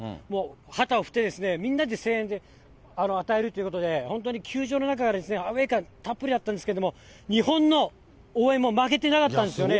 旗を振って、みんなで声援を与えるということで、本当に球場の中がアウエー感たっぷりだったんですけど、日本の応援も負けてなかったんですよね。